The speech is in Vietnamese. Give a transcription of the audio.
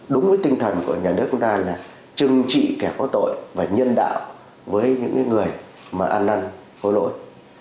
đúng với tinh thần của nhà nước chúng ta là chưng trị kẻ có tội và nhân đạo với những người mà ăn năn hối lỗi